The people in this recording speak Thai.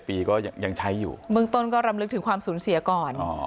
ปีก็ยังใช้อยู่เบื้องต้นก็รำลึกถึงความสูญเสียก่อน